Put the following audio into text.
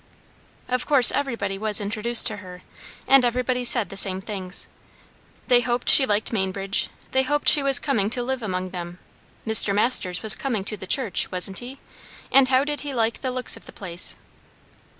Of course everybody was introduced to her; and everybody said the same things. They hoped she liked Mainbridge; they hoped she was coming to live among them; Mr. Masters was coming to the church, wasn't he? and how did he like the looks of the place?